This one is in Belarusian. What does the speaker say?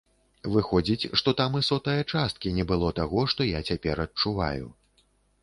Выходзіць, што там і сотае часткі не было таго, што я цяпер адчуваю.